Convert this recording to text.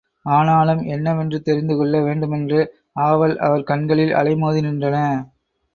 ஆனாலும், என்னவென்று தெரிந்துகொள்ள வேண்டுமென்று ஆவல் அவர் கண்களில் அலைமோதி நின்றன.